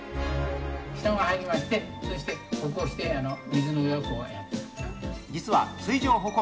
人が入りまして、そしてこうして水の上をこうやって歩く。